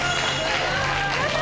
やった。